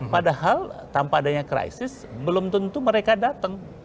padahal tanpa adanya krisis belum tentu mereka datang